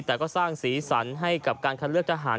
แต่ก็สร้างสีสันให้กับการคัดเลือกทหาร